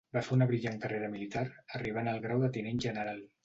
Va fer una brillant carrera militar arribant al grau de tinent general.